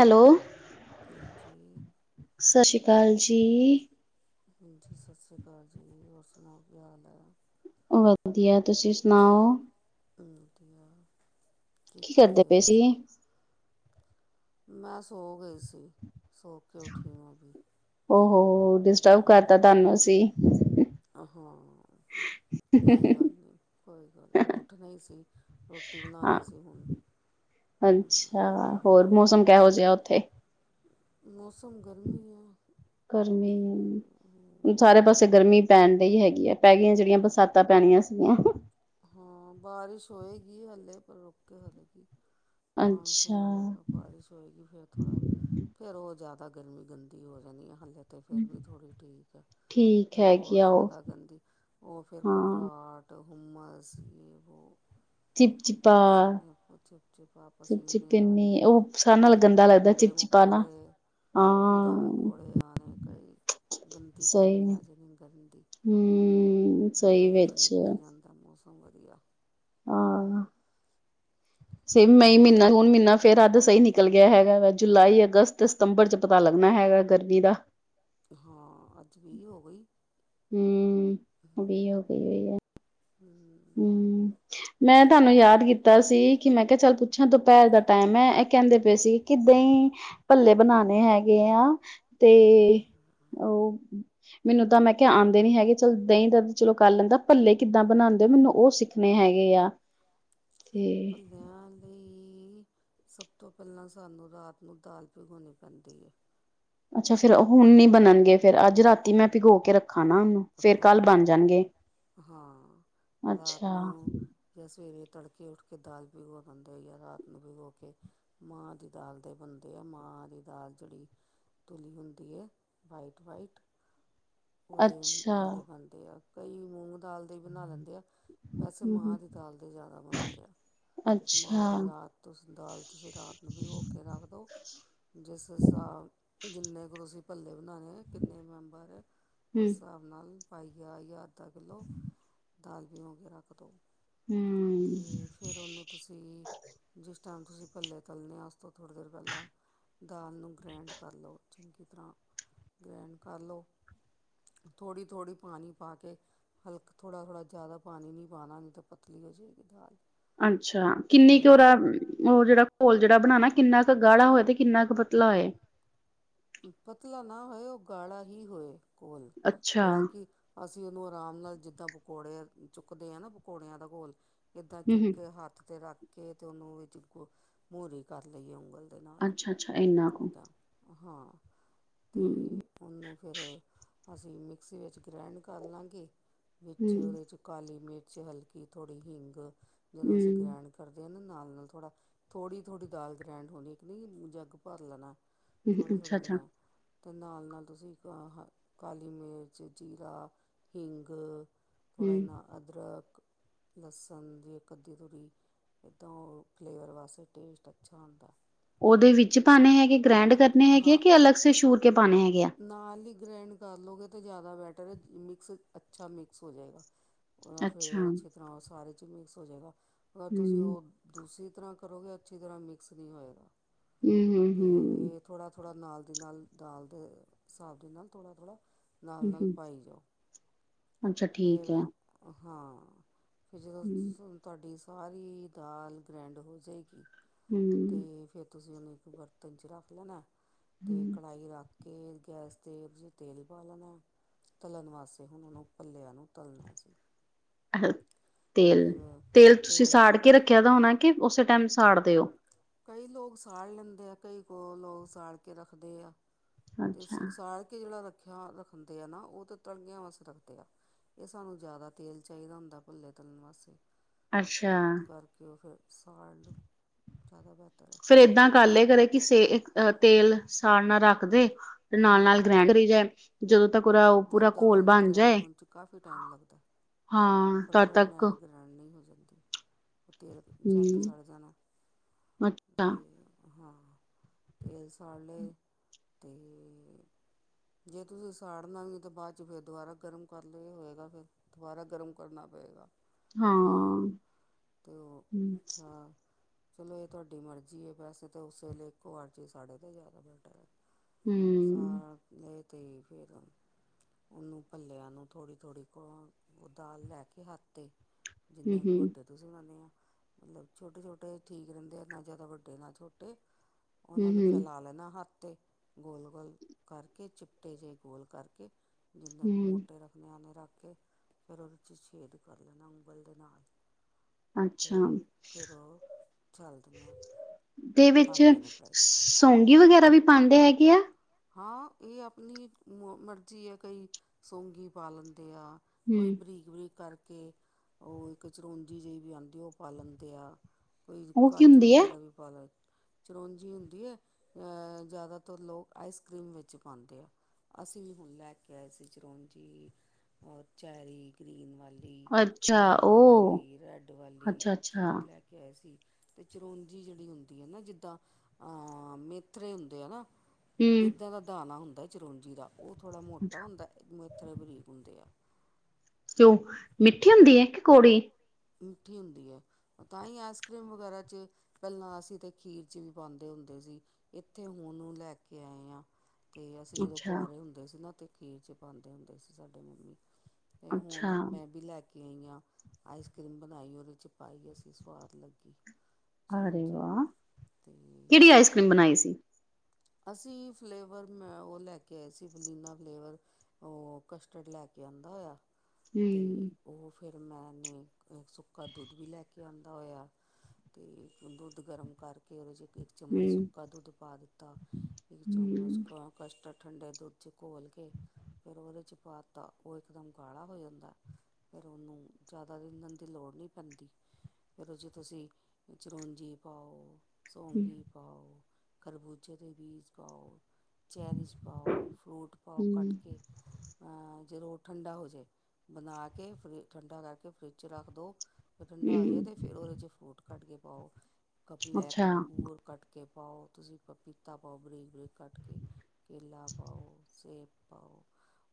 Hello ਹਾਂਜੀ ਸਤਿ ਸ੍ਰੀ ਅਕਾਲ ਜੀ ਹਾਂਜੀ ਸਤਿ ਸ਼੍ਰੀ ਅਕਾਲ ਜੀ ਹੋਰ ਸੁਣਾਓ ਕੀ ਹਾਲ ਹੈ ਵਧੀਆ ਤੁਸੀਂ ਸੁਣਾਓ ਵਧੀਆ ਕੀ ਕਰਦੇ ਹੋ ਤੁਸੀਂ ਮੈਂ ਸੋ ਗਈ ਸੀ, ਸੋ ਕੇ ਉੱਠੀ ਆਂ ਅਭੀ ਔਹੋ ਦਿਸ ਹੂ ਆਹਾਂ ਕੋਈ ਗੱਲ ਨਹੀਂ, ਕੋਈ ਗੱਲ ਨਹੀਂ ਉੱਠਣਾ ਈ ਸੀ ਰੋਟੀ ਹਾਂ ਬਣਾਉਣੀ ਸੀ ਹੁਣ ਅੱਛਾ ਹੋਰ ਮੌਸਮ ਕਿਹੋ ਜਿਹਾ ਉੱਥੇ ਮੌਸਮ ਗਰਮੀ ਆ ਗਰਮੀ ਸਾਰੇ ਪਾਸੇ ਗਰਮੀ ਪੈਣ ਡਹੀ ਹੈਗੀ ਹੈ, ਪੈ ਗਈਆਂ ਜਿਹੜੀਆਂ ਬਰਸਾਤਾਂ ਤਾਂ ਪੈਣੀਆਂ ਸੀਗੀਆਂ ਹਾਂ ਬਾਰਿਸ਼ ਹੋਏਗੀ ਹਲੇ, ਪਰ ਰੁਕ ਕੇ ਹਲੇਗੀ ਮਾਨਸੂਨ ਅੱਛਾ ਆਏਗਾ ਬਾਰਿਸ਼ ਹੋਏਗੀ ਫੇਰ ਥੋੜਾ, ਫੇਰ ਉਹ ਜ਼ਿਆਦਾ ਗਰਮੀ ਗੰਦੀ ਹੋ ਜਾਣੀ ਹੈ ਹਲੇੇ ਤੇ ਫਿਰ ਵੀ ਥੋੜ੍ਹੀ ਠੀਕ ਐ, ਠੀਕ ਫਿਰ ਹੈਗੀ ਹੋਰ ਆ ਉਹ ਜ਼ਿਆਦਾ ਗੰਦੀ ਉਹ ਫਿਰ ਹਾਂ ਘਬਰਾਹਟ ਹੁਮਸ ਵੀ ਹੋ ਚਿਪ ਚਿਪਾ ਪਸੀਨੇ ਚਿਪ ਚਿਪਾ ਚਿਪ ਚਿਪ ਪਸੀਨੇ ਆਣੇ, ਕਿੰਨੀ ਉਹ ਸਾਰਿਆਂ ਨਾਲ ਪੇਟ ਗੰਦਾ ਚ ਲੱਗਦਾ ਕੀੜੇ ਚਿਪ ਮੁ ਚਿਪਾ ਨਾ ਕੋੜੇ ਕੀੜੇ ਹਾਂ ਮਕੌੜੇ ਆਉਣੇ ਕਈ, ਗੰਦੀ ਸਹੀ ਗਰਮੀ ਆ ਜਾਣੀ ਗੰਦੀ ਹੂੰ, ਸਹੀ ਹਜੇ ਤੇ ਵਿੱਚ ਨਿਕਲੀ ਜਾਂਦਾ ਮੌਸਮ ਵਧੀਆ ਹਾਂ ਮਈ ਹੋਰ ਮਹੀਨਾ ਜੂਨ ਮਹੀਨਾ ਫੇਰ ਅੱਧ ਸਹੀ ਨਿਕਲ ਗਿਆ ਹੈਗਾ ਵਾ ਜੁਲਾਈ ਅਗਸਤ ਸਤੰਬਰ ਚ ਪਤਾ ਲੱਗਣਾ ਹੈਗਾ ਗਰਮੀ ਦਾ ਹਾਂ ਅੱਜ ਵੀ, ਹੋ ਗਈ ਹੂ ਵੀ ਹੋ ਤੇ ਗਈ ਹੈ ਹੂ ਹੂ ਮੈਂ ਤੁਹਾਨੂੰ ਯਾਦ ਕੀਤਾ ਸੀ ਕਿ ਮੈਂ ਕਿਹਾ ਚੱਲ ਪੁੱਛਾਂ ਦੁਪਹਿਰ ਦਾ ਟਾਈਮ ਹੈ, ਇਹ ਕਹਿੰਦੇ ਪਏ ਸੀ ਕਿ ਦਹੀ ਭੱਲੇ ਬਣਾਉਣੇ ਹੈਗੇ ਆ, ਤੇ ਉਹ ਮੈਨੂੰ ਤਾਂ ਮੈਂ ਕਿਹਾ ਆਉਂਦੇ ਨੀ ਹੈਗੇ, ਚੱਲ ਦਹੀਂ ਦਾ ਚਲੋ ਕਰ ਲੈਂਦਾ, ਭੱਲੇ ਕਿੱਦਾਂ ਬਣਾਉਂਦੇ ਉਹ ਸਿੱਖਣੇ ਹੈਗੇ ਆ ਤੇ ਆਂ ਲਈ, ਸਭ ਤੋਂ ਪਹਿਲਾਂ ਸਾਨੂੰ ਰਾਤ ਨੂੰ ਦਾਲ ਭਿਗਾਾਉਣੀ ਪੈਂਦੀ ਹੈ ਅੱਛਾ ਫਿਰ ਹੁਣ ਨੀ ਬਣਨਗੇ, ਫੇਰ ਅੱਜ ਰਾਤੀ ਮੈਂ ਭਿਗੋ ਕੇ ਰੱਖਾ ਨਾ ਉਹਨੂੰ ਫੇਰ ਕੱਲ ਹਾਂ ਬਣ ਜਾਣਗੇ। ਹਾਂ ਰਾਤ ਅੱਛਾ, ਨੂੰ ਜਾਂ ਸਵੇਰੇ ਤੜਕੇ ਉੱਠ ਕੇ ਦਾਲ ਭਿਘੋ ਦਿੰਦੇ ਹੈਗੇ ਜਾਂ ਰਾਤ ਨੂੰ ਭਿਘੋ ਕੇ ਮਾਂ ਦੀ ਦਾਲ ਦੇ ਬਣਦੇ ਐ, ਮਾਂ ਦੀ ਦਾਲ ਜਿਹੜੀ ਤੁਲੀ ਹੁੰਦੀ ਹੈ ਵਾਈਟ ਵਾਈਟ ਪੂਰੇ ਅੱਛਾ, ਭੱਲੇ ਬਣਦੇ ਆ ਕਈ ਮੂੰਗ ਦਾਲ ਦੇ ਹੀ ਬਣਾ ਲੈਂਦੇ ਆ, ਵੈਸੇ ਹੂੰ, ਮਾਂਹਾਂ ਦੀ ਦਾਲ ਦੇ ਜ਼ਿਆਦਾ ਬਣਦੇ ਆ। ਮਾਂ ਅੱਛਾ। ਰਾਤ ਤੁਸੀ ਦਾਲ ਤੁਸੀਂ ਰਾਤ ਨੂੰ ਭਿਗੋ ਕੇ ਰੱਖ ਦਿਉ। ਜਿਸ ਹਿਸਾਬ ਜਿੰਨੇ ਕੁ ਤੁਸੀਂ ਭੱਲੇ ਬਣਾਉਣੇ ਕਿੰਨੇ ਮੈਂਬਰ ਅ। ਉਸ ਹੂੰ। ਹਿਸਾਬ ਨਾਲ ਪਾਈਆ ਜਾਂ ਅੱਧਾ ਕਿੱਲੋ ਦਾਲ ਭਿਓ ਕੇ ਰੱਖ ਦਿਉ਼। ਹੂੰ, ਤੇ ਫੇਰ ਉਹਨੂੰ ਤੁਸੀਂ ਜਿਸ ਟਾਈਮ ਤੁਸੀਂ ਭੱਲੇ ਤਲਣੇ ਆ ਉਸ ਤੋਂ ਥੋੜ੍ਹੀ ਦੇਰ ਪਹਿਲਾਂ ਦਾਲ ਨੂੰ ਗ੍ਰੈਂਡ ਕਰ ਲਉ ਚੰਗੀ ਤਰ੍ਹਾਂ ਗ੍ਰੈਂਡ ਕਰ ਲਉ। ਥੋੜ੍ਹੀ, ਥੋੜ੍ਹੀ ਪਾਣੀ ਪਾ ਕੇ ਹਲਕਾ ਥੋੜ੍ਹਾ, ਥੋੜ੍ਹਾ ਜ਼ਿਆਦਾ ਪਾਣੀ ਨਹੀਂ ਪਾਉਣਾ੍ ਨਹੀਂ ਤਾਂ ਪਤਲੀ ਹੋ ਜਾਏਗੀ ਦਾਲ। ਅੱਛਾ ਕਿੰਨੀ ਅਤੇ ਕੁ ਉਹਨੂੰ ਉਹਦਾ ਉਹ ਜਿਹੜਾ ਘੋਲ ਜਿਹੜਾ ਬਣਾਉਣਾ ਕਿੰਨਾ ਕੁ ਗਾੜਾ ਹੋਏ ਤੇ ਕਿੰਨਾ ਕੁ ਪਤਲਾ ਹੋਏ। ਪਤਲਾ ਨਾ ਹੋਏ ਉਹ ਗਾੜਾ ਹੀ ਹੋਏ ਘੋਲ਼ ਅੱਛਾ, ਜਿਹੜਾ ਕਿ ਅਸੀਂ ਉਹਨੂੰ ਆਰਾਮ ਨਾਲ ਜਿੱਦਾਂ ਪਕੌੜੇ ਚੁੱਕਦੇ ਹਾਂ ਨਾ ਪਕੌੜਿਆਂ ਦਾ ਘੋਲ ਇਦਾਂ ਈ ਚੁੱਕ ਹੂੰ-ਹੂੰ, ਕੇ ਹੱਥ ਤੇ ਰੱਖ ਕੇ ਤੇ ਉਹਨੂੰ ਵਿੱਚ ਮੋਹਰੀ ਕਰ ਲਈ ਉਂਗਲ ਦੇ ਨਾਲ ਅੱਛਾ-ਅੱਛਾ ਇੰਨਾ ਕੁ ਜਿੱਦਾਂ ਹਾਂ ਤੇ ਹੂੰ, ਉਹਨੂੰ ਫਿਰ ਅਸੀਂ ਮਿਕਸੀ ਵਿੱਚ ਗ੍ਰੈਂਡ ਕਰ ਲਾਂਗੇ, ਵਿੱਚ ਹੂੰ, 'ਚ ਕਾਲੀ ਮਿਰਚ ਹਲਕੀ ਥੋੜ੍ਹੀ ਹਿੰਗ ਜਦੋਂ ਅਸੀਂ ਹੂੰ, ਗ੍ਰੈਂਡ ਕਰਦੇ ਆ ਨਾ ਨਾਲ, ਨਾਲ ਥੋੜ੍ਹਾ ਥੋੜ੍ਹੀ, ਥੋੜ੍ਹੀ ਦਾਲ ਗ੍ਰੈਂਡ ਹੋਣੀ ਇੱਕ ਨਾ ਜੀ ਮੂੰਹ ਜੱਗ ਭਰ ਲੈਣਾ। ਥੋੜੇ ਹੂੰ, ਥੋੜੇ ਅੱਛਾ-ਅੱਛਾ, ਗਰੈਂਡ ਤੇ ਨਾਲ, ਨਾਲ ਤੁਸੀਂ ਕਾਲੀ ਮਿਰਚ ਜੀਰਾ ਹਿੰਗ ਥੋੜ੍ਹਾ ਹੂੰ। ਜਿਹਨਾਂ ਅਦਰਕ ਲਸਣ ਦੀ ਇਕ ਅੱਦੀ ਤੁਰੀ ਇੱਦਾਂ ਉਹ ਫਲੇਵਰ ਵਾਸਤੇ ਟੇਸਟ ਅੱਛਾ ਆਉਂਦਾ। ਉਹਦੇ ਵਿੱਚ ਤੇ ਪਾਉਣੇ ਹੈਗੇ ਗ੍ਰੈਂਡ ਕਰਨੇ ਹੈਗੇ ਆ, ਹਾਂ ਕਿ ਅਲਗ ਸੇ ਸ਼ੂਰ ਕੇ ਪਾਉਣੇ ਹੈਗੇ ਆ਼਼ ਨਾਲ ਹੀ ਗ੍ਰੈਂਡ ਕਰ ਲਉਗੇ ਤਾਂ ਜ਼ਿਆਦਾ ਬੈਟਰ ਹੈ, ਮਿਕਸ ਅੱਛਾ ਮਿਕਸ ਹੋ ਜਾਵੇਗਾ। ਉਹਦਾ ਅੱਛਾ, ਫਲੇਵਰ ਅੱਛੀ ਤਰ੍ਹਾਂ ਸਾਰੇ ਚ ਮਿਕਸ ਹੋ ਜਾਵੇਗਾ। ਅਗਰ ਤੁਸੀਂ ਹੂੰ, ਉਹ ਦੂਸਰੀ ਤਰ੍ਹਾਂ ਕਰੋਗੇ ਅੱਛੀ ਤਰ੍ਹਾਂ ਮਿਕਸ ਨਹੀਂ ਹੋਏਗਾ, ਹੂੰ, ਹੂੰ, ਤੇ ਹੂੰ, ਇਹ ਥੋੜ੍ਹਾ, ਥੋੜ੍ਹਾ ਨਾਲ ਦੀ ਨਾਲ ਦਾਲ ਦੇ ਹਿਸਾਬ ਦੇ ਨਾਲ ਥੋੜ੍ਹਾ, ਥੋੜ੍ਹਾ ਨਾਲ, ਹੂੰ, ਨਾਲ ਹੂੰ। ਪਾਈ ਜਾਓ। ਅੱਛਾ ਫੇਰ ਠੀਕ ਹੈ ਹਾਂ ਫਿਰ ਜਦੋ ਹੂੰ ਸੂ ਤੁਹਾਡੀ ਸਾਰੀ ਦਾਲ ਗ੍ਰੈਂਡ ਹੋ ਜਾਵੇਗੀ, ਹੂੰ ਤੇ ਫੇਰ ਤੁਸੀਂ ਉਹਨੂੰ ਇੱਕ ਬਰਤਨ ਚ ਰੱਖ ਲੈਣਾ ਤੇ ਹੂੰ ਕੜਾਹੀ ਰੱਖ ਕਿ ਗੈਸ 'ਤੇ ਤੁਸੀਂ ਤੇਲ ਪਾ ਲੈਣਾ ਤਲਣ ਵਾਸਤੇ ਹੁਣ ਉਹਨੂੰ ਭਲਿਆ ਨੂੰ ਤਲਣਾ ਅਸੀਂ ਤੇਲ, ਫਿਰ ਤੇਲ ਤੁਸੀਂ ਸਾੜ ਕੇ ਰੱਖਿਆ ਦਾ ਹੋਣਾ ਕੇ ਉਸੇ ਟਾਈਮ ਸਾੜਦੇ ਓ। ਕਈ ਲੋਕ ਸਾੜ ਲੈਂਦੇ ਆ, ਕਈ ਕੋ ਲੋਕ ਸਾੜ ਕੇ ਰੱਖਦੇ ਆ਼ ਤੇ ਅੱਛਾ ਸਾੜ ਕੇ ਜਿਹੜਾ ਰੱਖਿਆ ਰੱਖਦੇ ਆ ਨਾ ਉਹ ਤੇ ਤੜਕਿਆ ਵਾਸਤੇ ਰੱਖਦੇ ਆ। ਤੇ ਸਾਨੂੰ ਜ਼ਿਆਦਾ ਤੇਲ ਚਾਹੀਦਾ ਹੁੰਦਾ ਭੱਲੇ ਤਲਣ ਵਾਸਤੇ ਅੱਛਾ। ਕਿ ਉਹ ਫੇਰ ਸਾੜ ਜ਼ਿਆਦਾ ਬਿਹਤਰ ਹੈ। ਫੇਰ ਏਦਾਂ ਕਰ ਲਏ ਕਰੇ ਕਿ ਸੇ ਅਹ ਤੇਲ ਸਾੜਨਾ ਰੱਖ ਦੇ ਤੇ ਨਾਲ, ਨਾਲ ਹਮ ਗਰੈਂਡ ਕਰੀ ਜਾਏ ਜਦੋਂ ਤੱਕ ਉਹਦਾ ਉਹ ਜੋ ਪੂਰਾ ਘੋਲ ਦਾਲ ਨੂੰ ਬਣ ਗ੍ਰੈਂਡ ਜਾਏ। ਤੇ ਹਾਂ ਤਦ ਫਟਾਫਟ ਤੱਕ ਨੈਰ ਗਰੈਂਡ ਨਹੀਂ ਹੋ ਸਕਦੀ। ਤੇਲ ਝੱਟ ਹੂੰ ਸੜ ਜਾਣਾ ਅੱਛਾ ਤੇ ਹਾਂ ਤੇਲ ਸਾੜ ਲੇ ਤੇ ਜੇ ਤੁਸੀ ਸਾੜਨਾ ਵੀ ਤਾ ਬਾਅਦ ਚ ਫੇਰ ਦੁਬਾਰਾ ਗਰਮ ਕਰ ਲਓ ਏ ਹੋਏਗਾ ਫੇਰ ਦੁਬਾਰਾ ਗਰਮ ਕਰਨਾ ਪਏਗਾ ਹਾਂ ਤੇਲ ਨੂੰ ਤੇ ਓ ਹੂੰ ਅੱਛਾ ਚਲੋ ਏ ਤੁਆਡੀ ਮਰਜ਼ੀ ਐ ਵੈਸੇ ਤਾ ਓਸ ਵੇਲੇ ਇੱਕੋ ਵਾਰ ਚ ਸਾੜੇ 'ਤੇ ਜ਼ਿਆਦਾ ਬੈਟਰ ਐ। ਹੁੰ ਸਾੜ ਲੇ ਤੇ ਫੇਰ। ਉਨੂੰ ਭੱਲਿਆਂ ਨੂੰ ਥੋੜੀ, ਥੋੜੀ ਪੋ ਦਾਲ ਲੈ ਕੇ ਹੱਥ ਤੇ ਜਿੰਨੇ ਕੁ ਹੂੰ ਵੱਡੇ ਤੁਸੀਂ ਬਣਾਨੇ ਆਂ ਮਲਬ ਛੋਟੇ, ਛੋਟੇ ਠੀਕ ਰੈਨੇ ਆ ਨਾ ਜ਼ਿਆਦਾ ਵੱਡੇ ਨਾ ਛੋਟੇ ਹੂੰ ਓਨਾਂ ਨੂੰ ਹੂੰ ਫੈਲਾ ਲੈਣਾ ਹੱਥ ਤੇ। ਗੋਲ, ਗੋਲ ਕਰਕੇ ਚਿੱਪਟੇ ਜਏ ਗੋਲ ਕਰਕੇ ਜਿੰਨਾਂ ਕੁ ਹੂੰ ਮੋਟੇ ਰੱਖ ਮਿਆਨੇ ਰੱਖ ਕੇ। ਫੇਰ ਓਦੇ 'ਚ ਛੇਦ ਕਰ ਲੈਣਾ ਉਂਗਲ ਦੇ ਨਾਲ। ਅੱਛਾ ਤੇ ਫਿਰ ਓਹ ਝੱਲਦੀਆਂ। ਦੇ ਵਿੱਚ ਸੌਂਗੀ ਵਗੈਰਾ ਵੀ ਪਾਂਦੇ ਹੈਗੇ ਆ? ਹਾਂ ਏ ਆਪਣੀ ਮ ਮਰਜ਼ੀ ਐ ਕਈ ਸੌਂਗੀ ਪਾ ਲੈਂਦੇ ਆ। ਹੂੰ ਕੋਈ ਬਰੀਕ ਬਰੀਕ ਕਰਕੇ ਓ ਇੱਕ ਚਰੋਂਜੀ ਜਿਹੀ ਵੀ ਆਂਦੀ ਓ ਪਾ ਲੈਂਦੇ ਆ ਕੋਈ ਉਹ ਕੀ ਕਾਜੂ ਹੁੰਦੀ ਹੈ ਵਗੈਰਾ ਵੀ ਪਾ ਲੈ ਚਰੋਂਜੀ ਹੁੰਦੀ ਐ ਅ ਜ਼ਿਆਦਾਤਰ ਲੋਕ ਆਈਸ ਕਰੀਮ ਵਿੱਚ ਪਾਂਦੇ ਆ ਅਸੀਂ ਵੀ ਹੁਣ ਲੈ ਕੇ ਆਏ ਸੀ ਚਰੋਂਜੀ। ਔਰ ਚੈਰੀ ਗ੍ਰੀਨ ਵਾਲ ਲੀ ਅੱਛਾ ਯਲੋ ਉਹ ਵਾਲੀ, ਰੈਡ ਵਾਲੀ ਅੱਛਾ ਅੱਛਾ ਚੈਰੀ ਲੈ ਕੇ ਆਏ ਸੀ ਤੇ ਚਰੋਂਜੀ ਜੇੜੀ ਹੁੰਦੀ ਐ ਨਾ ਜਿੱਦਾਂ ਆਂ ਮੇਥਰੇ ਹੁੰਦੇ ਆ ਨਾ ਹਮ ਇੱਦਾਂ ਦਾ ਦਾਣਾ ਹੁੰਦਾ ਏ ਚਰੋਂਜੀ ਦਾ ਓ ਥੋੜ੍ਹਾ ਮੋਟਾ ਹੁੰਦਾ ਮੇਥਰੇ ਬਰੀਕ ਹੁੰਦੇ ਆ। ਤੇ ਓ ਮਿੱਠੀ ਹੁੰਦੀ ਹੈ ਕਿ ਕੌੜੀ? ਮਿੱਠੀ ਹੁੰਦੀ ਹੈ ਓ ਤਾਂ ਈ ਐਸਕਰੀਮ ਵਗੈਰਾ 'ਚ ਪੈਲਾਂ ਅਸੀਂ ਤਾਂ ਖੀਰ ਚ ਵੀ ਪਾਂਦੇ ਹੁੰਦੇ ਸੀ ਏਥੇ ਹੁਣ ਉ ਲੈ ਕੇ ਆਏ ਆਂ। ਤੇ ਅਸੀਂ ਜਦੋਂ ਅੱਛਾ ਕੁਆਰੇ ਹੁੰਦੇ ਸੀ ਨਾ ਤੇ ਖੀਰ 'ਚ ਪਾਂਦੇ ਹੁੰਦੇ ਸੀ ਸਾਡੇ ਮੰਮੀ। ਤੇ ਅੱਛਾ ਹੁਣ ਮੈਂ ਵੀ ਲੈ ਕੇ ਆਈ ਆਂ ਆਈਸ ਕ੍ਰੀਮ ਬਣਾਈ ਏ ਓਦੇ 'ਚ ਪਾਈ ਅਸੀਂ ਸਵਾਦ ਲੱਗੀ। ਅਰੇ ਚਰੋਂਜੀ ਵਾਹ, ਅਤੇ ਕੇੜੀ ਆਈਸ ਕਰੀਮ ਬਣਾਈ ਸੀ? ਅਸੀਂ ਫਲੇਵਰ ਮੈਂ ਓ ਲੈ ਕੇ ਆਏ ਸੀ ਵਲੀਨਾ ਫਲੇਵਰ। ਓ ਕਸਟਰਡ ਲੈ ਕੇ ਆਂਦਾ ਹੋਇਆ ਤੇ ਹਮ ਓ ਫੇਰ ਮੈਂ ਨੇ ਸੁੱਕਾ ਦੁੱਧ ਵੀ ਲੈ ਕੇ ਆਂਦਾ ਹੋਇਆ। ਤੇ ਹੁਣ ਦੁੱਧ ਗਰਮ ਕਰਕੇ ਓਦੇ 'ਚ ਇੱਕ ਚਮੱਚ ਹਮ ਸੁੱਕਾ ਦੁੱਧ ਪਾ ਦਿੱਤਾ ਇੱਕ ਚਮੱਚ ਹਮ ਕਸਟਰਡ ਠੰਡੇ ਦੁੱਧ ਚ ਘੋਲ ਕੇ ਫੇਰ ਓਹਦੇ ਚ ਪਾਤਾ ਓ ਇਕਦਮ ਗਾੜਾ ਹੋ ਜਾਂਦਾ। ਫੇਰ ਓਨੂੰ ਜ਼ਿਆਦਾ ਰੀਨਣ ਦੀ ਲੋੜ ਨੀ ਪੈਂਦੀ। ਓਦੇ ਚ ਤੁਸੀਂ ਚਰੋਂਜੀ ਪਾਓ, ਸੌਂਗੀ ਪਾਓ ਖਰਬੂਜ ਜੇ ਦੇ ਬੀਜ਼ ਪਾਓ, ਚੈਰੀਜ਼ ਪਾਓ, ਫਰੂਟ ਪਾਓ ਹਮ ਕਟ ਕੇ। ਆਂ ਜਦੋਂ ਓ ਠੰਡਾ ਹੋ ਜੇ ਬਣਾ ਕੇ ਫਰਿ ਠੰਡਾ ਕਰਕੇ ਫਰਿੱਜ 'ਚ ਰੱਖ ਦੋ। ਠੰਡਾ ਹੋ ਜੇ ਹਮ ਤੇ ਫਿਰ ਓਦੇ 'ਚ ਫਰੂਟ ਕੱਟ ਕੇ ਪਾਓ ਕਪ ਲੈਕ ਅੱਛਾ ਹਮ ਅੰਗੂਰ ਕੱਟ ਕੇ ਪਾਓ ਤੁਸੀਂ। ਪਪੀਤਾ ਪਾਓ ਬਰੀਕ- ਬਰੀਕ ਕੱਟ ਕੇ ਕੇਲਾ ਪਾਓ, ਸੇਬ ਪਾਓ।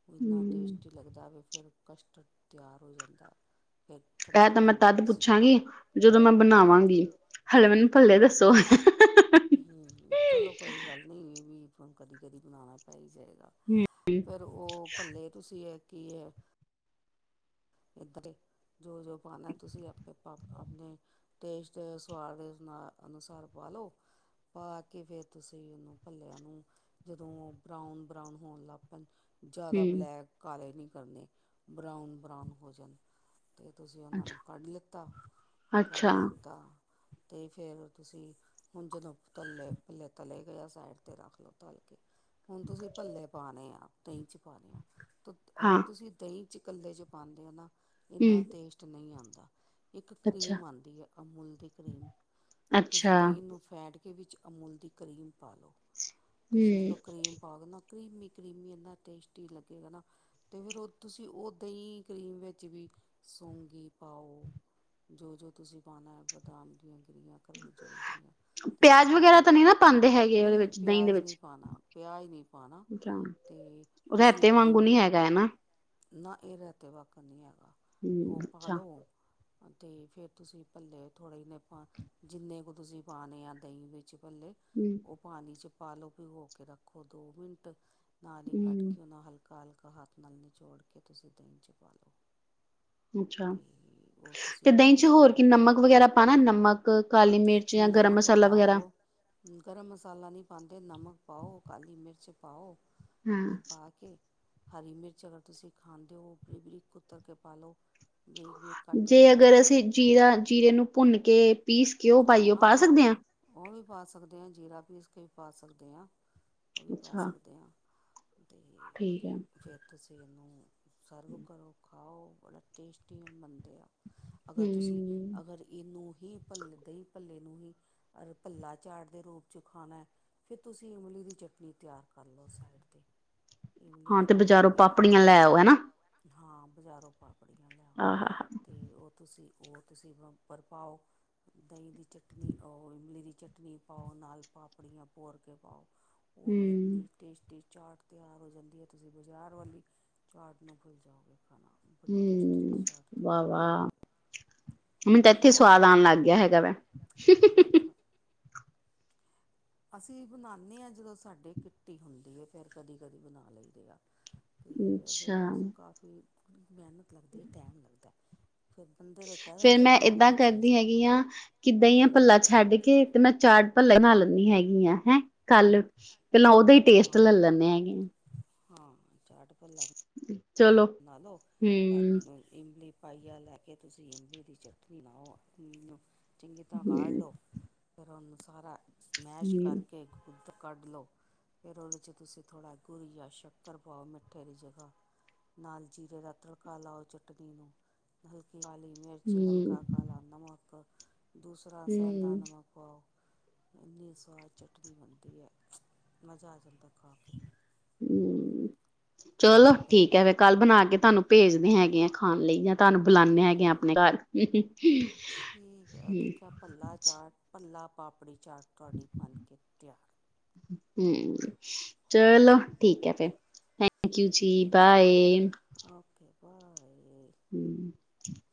ਉਹ ਇੰਨਾ ਟੇਸਟੀ ਲੱਗਦਾ ਵੇ ਫੇਰ ਕਸਟਰਡ ਤਿਆਰ ਹੋ ਜਾਂਦਾ। ਫੇਰ ਇਹ ਠੰਡਾ- ਤਾਂ ਮੈਂ ਠੰਡਾ ਤਦ ਤੁਸੀਂ ਪੁੱਛਾਂਗੀ ਖਾਓ। ਜਦੋਂ ਮੈਂ ਬਣਾਵਾਂਗੀ, ਹਲੇੇ ਮੈਨੂੰ ਭਲੇ ਦੱਸੋ। ਹੂੰ ਚਲੋ ਕੋਈ ਗੱਲ ਨੀ ਇਹ ਵੀ ਹੁਣ ਕਦੀ- ਕਦੀ ਬਣਾਣਾ। ਪਈ ਹੀ ਜਾਏਗਾ ਫੇਰ ਉਹ ਭਲੇ ਤੁਸੀਂ ਐ ਕੀ ਹੈ। ਇੱਧਰ ਦੇ ਜੋ- ਜੋ ਪਾਉਣਾ ਤੁਸੀਂ ਆਪੇ ਪਾ ਕੇ। ਆਪਣੇ ਟੇਸਟ ਸਵਾਦ ਦੇ ਅ ਅਨੁਸਾਰ ਪਾਲਓ। ਪਾ ਕੇ ਫੇਰ ਤੁਸੀਂ ਉਹਨੂੰ ਭੱਲੇਆਂ ਨੂੰ ਜਦੋਂ ਉਹ ਬਰਾਊਨ- ਬਰਾਊਨ ਹੋਣ ਲੱਗ ਪੈਣ। ਜ਼ਿਆਦਾ ਹਮ ਬਲੈਕ ਕਾਲੇ ਨੀ ਕਰਨੇ, ਬਰਾਊਨ- ਬਰਾਾਊਨ ਹੋ ਜਾਣ। ਤੇ ਤੁਸੀਂ ਉਹਨਾਂ ਨੂੰ ਅੱਛਾ ਕੱਢ ਲਿੱਤਾ- ਅੱਛਾ ਕੱਢ ਲਿੱਤਾ। ਅਤੇ ਫੇਰ ਤੁਸੀਂ, ਹੁਣ ਜਦੋਂ ਤੱਲੇ ਪੱਲੇ ਤਲੇ ਗਏ ਸਾਈਡ ਤੇ ਰੱਖ ਲਓ ਤਲ ਕੇ। ਹੁਣ ਤੁਸੀਂ ਭੱਲੇ ਪਾਣੇ ਆ ਦਹੀਂ 'ਚ ਪਾਣੇ ਆ ਤ ਹਾਂ ਅਗਰ ਤੁਸੀਂ, ਦਹੀਂ ਚ ਇਕੱਲੇ ਚ ਪਾਉਂਦੇ ਔ ਨਾ ਇੰਨਾ ਹਮ ਟੇਸਟ ਨਹੀਂ ਆਉਂਦਾ। ਇੱਕ ਅੱਛਾ ਕਰੀਮ ਆਉਂਦੀ ਹੈ ਅਮੂਲ ਦੀ ਕਰੀਮ ਤੁਸੀਂ ਅੱਛਾ ਦਹੀਂ ਨੂੰ ਫੈਟ ਵਿੱਚ ਅਮੂਲ ਦੀ ਕਰੀਮ ਪਾ ਲਉ ਤੁਸੀਂ ਹਮ ਜਦੋਂ ਕਰੀਮ ਪਾ ਕੇ ਨਾ ਕਰੀਮੀ- ਕਰੀਮੀ ਇੰਨਾ ਟੇਸਟੀ ਲੱਗੇਗਾ ਨਾ ਅਤੇ ਫੇਰ ਉਹ ਤੁਸੀਂ ਉਹ ਦਹੀਂ ਕਰੀਮ ਵਿੱਚ ਵੀ ਸੌਂਗੀ ਪਾਓ। ਜੋ- ਜੋ ਤੁਸੀਂ ਪਾਉਣਾ ਹੈ ਬਦਾਮ ਦੀਆਂ ਗਰੀਆਂ। ਖਰਬੂਜੇ ਦੀ ਗੀਰੀਆਂ ਤੇਸੀਂ ਪਿਆਜ ਪਾ ਵਗੈਰਾ ਲਓ ਤਾਂ ਨਹੀਂ ਨਾ ਪਾਉਂਦੇ ਹੈਗੇ ਉਹਦੇ ਨਹੀਂ ਵਿੱਚ ਦਹੀਂ ਦੇ ਪਿਆਜ਼ ਨਹੀਂ ਵਿੱਚ ਪਾਣਾ। ਪਿਆਜ਼ ਨਹੀਂ ਪਾਣਾ ਅੱਛਾ ਤੇ ਤੁਸੀਂ ਇਮਲੀ ਪਾਨਾ, ਨਾ ਇਹ ਰਹਿਤੇ ਵਕ ਨਹੀਂ ਹੈਗਾ, ਹਮ ਉਹ ਪਾ ਅੱਛਾ ਲਉ। ਤੇ ਫੇਰ ਤੁਸੀਂ ਭਲੇ ਥੋੜਾ ਜਿਨਾ ਪਾ ਜਿੰਨੇ ਕੁ ਤੁਸੀਂ ਪਾਣੇ ਆ ਦਹੀਂ ਵਿੱਚ ਭੱਲੇ। ਹੂੰ। ਉਹ ਪਾਣੀ ਚ ਪਾ ਲਓ, ਭਿਗੋ ਕੇ ਰੱਖੋ ਦੋ ਮਿੰਟ ਨਾਲ ਹੀ ਕੱਢ ਹਮ ਕੇ ਉਹ ਨਾਲ ਹਲ ਕਾ ਹਲਕ ਹੱਥ ਨਾਲ ਨਿਚੋੜ ਕੇ ਤੁਸੀਂ ਦਹੀ ਚ ਪਾ ਲਓ, ਅੱਛਾ ਤੇ। ਤੇ ਦਹੀਂ ਚ ਹੋਰ ਕੀ ਨਮਕ ਵਗੈਰਾ ਪਾਣਾ ਨਮਕ, ਕਾਲੀ ਮਿਰਚ, ਜਾਂ ਗਰਮ ਨਮਕ ਮਸਾਲਾ ਵਗੈਰਾ। ਪਾਓ ਗਰਮ ਮਸਾਲਾ ਨਹੀਂ ਪਾਂਦੇ ਨਮਕ ਪਾਓ, ਕਾਲੀ ਮਿਰਚ ਪਾਓ, ਹਾਂ ਇਹ ਪਾ ਕੇ ਹਰੀ ਮਿਰਚ ਅਗਰ, ਤੁਸੀਂ ਖਾਂਣਦੇ ਹੋ ਬਰੀ ਬਰੀਕ ਕੁਤਰ ਕੇ ਪਾ ਲਓ, ਬਰੀਕ। ਬਰੀਕ ਕੱਟ ਜੇ ਕੇ ਪਾ ਅਗਰ ਲਓ ਅਸੀਂ ਜੀਰਾ, ਜੀਰੇ ਨੂੰ ਭੁੰਨ ਕੇ, ਪੀਸ ਕੇ ਉਹ ਪਾਈਏ ਪਾ ਸਕਦੇ ਹਾਂ। ਉਹ ਵੀ ਪਾ ਸਕਦੇ ਹਾਂ ਜੀਰਾ ਪੀਸ ਕੇ ਵੀ ਪਾ ਸਕਦੇ ਹਾਂ, ਉਹ ਵੀ ਪਾ ਅੱਛਾ ਸਕਦੇ ਹਾਂ। ਤੇ ਠੀਕ ਹੈ ਫੇਰ ਤੁਸੀਂ ਇਹਨੂੰ ਸਰਵ ਕਰੋ। ਖਾਓ ਬੜਾ ਟੇਸਟੀ ਮੰਨਦੇ ਆ, ਅਗਰ ਤੁਸੀਂ ਹਮ ਅਗਰ ਇਹਨੂੰ ਹੀ ਭੱਲ- ਦਹੀ ਪੱਲੇ ਨੂੰ ਹੀ ਅ ਭੱਲਾ ਚਾੜ ਦੇ ਰੂਪ ਚ ਖਾਣਾ ਐ। ਤੇ ਫੇਰ ਤੁਸੀਂ ਇਮਲੀ ਦੀ ਚਟਨੀ ਤਿਆਰ ਕਰ ਲਓ ਸਾਈਡ 'ਤੇ। ਇਮਲੀ ਹਾਂ ਤੇ ਉਬਾਲ ਬਜ਼ਾਰੋਂ ਕੇ ਪਾਪੜੀਆਂ ਲੈ ਆਓ, ਹਨਾ। ਹਾਂ ਬਜ਼ਾਰੋਂ ਪਾਪੜੀਆਂ ਲੇ ਆਓ। ਆਹ ਤੇ ਉਹ ਤੁਸੀਂ- ਉਹ ਤੁਸੀਂ ਵ ਉਪਰ ਪਾਓ। ਦਹੀਂ ਦੀ ਚਟਨੀ ਆਓ ਇਮਲੀ ਦੀ ਚਟਨੀ ਪਾਓ ਨਾਲ ਪਾਪੜੀਆਂ ਭੋਰ ਕੇ ਪਾਓ। ਉਹ ਹਮ ਇੰਨੀ ਟੇਸਟ, [unintelligible] ਚਾਟ ਤਿਆਰ ਹੋ ਜਾਂਦੀ ਹੈ ਤੁਸੀਂ ਬਾਜ਼ਾਰ ਵਾਲੀ ਚਾਟ ਨੂੰ ਭੁੱਲ ਜਾਓਗੇ ਖਾਣਾ। ਬੜੀ ਟੇਸਟੀ ਹਮ ਚਾਟ ਵਾਹ ਤਿਆਰ ਹੋ ਵਾਹ ਜਾਂਦੀ ਆ, [unintelligible] [unintelligible] ਹੰ, ਹੰ ਹ ਹ [inaudible] [inaudible] ਅਸੀਂ ਬਣਾਉਦੇ ਹਾਂ ਜਦੋਂ ਸਾਡੇ ਕਿੱਟੀ ਹੁੰਦੀ ਹੈ, ਫਿਰ ਕਦੀ ਕਦੀ ਬਣਾ ਲਈਦੇ ਆ। ਅਤੇ ਅੱਛਾ ਅਦਰਵਾਇਜ਼ ਕਾਫੀ ਮਿਹਨਤ ਲੱਗਦੀ ਹੈ ਟਾਈਮ ਲੱਗਦੈ। ਫਿਰ ਬੰਦੇ ਤੇ ਕਹਿ ਦਿੰਦੇ ਆ ਬਣਾ ਲਓ ਚੀਜ਼। ਯਾ ਕਿੱਦਾਂ ਹੀ ਆ ਹੂੰ। ਭਲਾ ਛੱਡ ਕੇ, ਤੇ ਮੈਂ ਚਾਟ। ਭਲ਼ੇ ਬਣਾ ਲੈਂਦੀ ਹੈਗੀ ਆ ਹੈਂ, ਕੱਲ ਪਹਿਲਾਂ ਉਹਦਾ ਹੀ ਟੇਸਟ ਲੈ ਹਾਂ, ਲੈਦੇ ਹੈਗੇ ਆ। ਹਾਂ ਚਾਟ ਭਲਾ। ਚਲੋ। ਨਾ ਲੋ ਹੂੰ ਰਾਤੀ। ਇਮਲੀ ਪਾਈਆ ਲੈ ਕੇ ਤੁਸੀਂ ਇਮਲੀ ਦੀ ਚਟਨੀ ਬਣਾਓ। ਚੰਗੀ ਤਰ੍ਹਾਂ ਕਾੜ ਹੂੰ ਲਓ, ਫਿਰ ਉਹਨੂੰ ਸਾਰਾ ਮੈਸ਼ ਹੂੰ ਕਰਕੇ। ਕੱਢ ਲਓ, ਫਿਰ ਉਹਦੇ 'ਚ ਤੁਸੀਂ ਥੋੜ੍ਹਾ ਗੁੜ ਜਾਂ ਸ਼ੱਕਰ ਪਾਓ, ਮਿੱਠੇ ਦੀ ਜਗਾ ਨਾਲ ਜੀਰੇ ਦਾ ਤੜਕਾ ਲਾਓ ਚਟਨੀ ਨੂੰ। ਹਲਕੀ ਕਾਲੀ ਮਿਰਚ, ਹੂੰ ਹਲਕਾ ਕਾਲਾ ਨਮਕ, ਦੂਸਰਾ ਸੈਂਧਾ ਹੂੰ ਨਮਕ ਪਾਓ। ਇੰਨੀ ਸਵਾਦ ਚਟਨੀ ਬਣਦੀ ਹੈ, ਮਜ਼ਾ ਆ ਜਾਂਦਾ ਖਾ ਕੇ। ਹੂੰ, ਚਲੋ ਸਾਡੀ ਠੀਕ ਪੱਲਾ ਹੈ ਫੇਰ ਕੱਲ ਬਣਾ ਕੇ ਤੁਹਾਨੂੰ ਭੇਜਦੇ ਹੈਗੇ ਆ, ਖਾਣ ਲਈ ਜਾ। ਤੁਹਾਨੂੰ ਬੁਲਾਉਂਦੇ ਹਮ ਹੈਗੇ ਆ ਆਪਣੇ ਘਰ, ਠੀਕ ਹੈ ਹੂੰ ਦੇਖਿਆ ਭੱਲਾ ਚਾਟ ਭੱਲਾ- ਪਾਪੜੀ- ਚਾਟ, ਤੁਹਾਡੀ ਬਣ ਕੇ ਤਿਆਰ। ਹੂੰ, ਚਲੋ ਠੀਕ ਹੈ ਫੇਰ। ਓਕੇ ਜੀ, ਬਾਏ। Okay, bye. ਹਮ [inaudible]